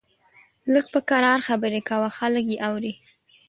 لږ په کرار خبرې کوه، خلک يې اوري!